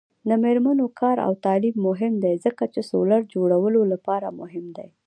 د میرمنو کار او تعلیم مهم دی ځکه چې سولې جوړولو لپاره مهم دی.